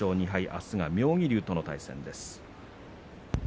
あすは妙義龍との対戦です。